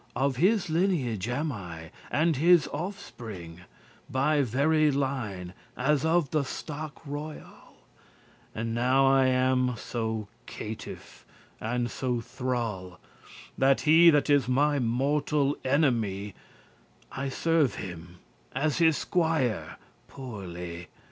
Of his lineage am I, and his offspring By very line, as of the stock royal; And now I am *so caitiff and so thrall*, *wretched and enslaved* That he that is my mortal enemy, I serve him as his squier poorely.